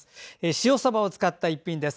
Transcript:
塩さばを使った一品です。